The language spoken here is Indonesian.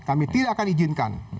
kami tidak akan diizinkan